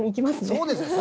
そうですよ。